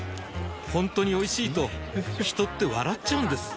ほんとにおいしいと人って笑っちゃうんです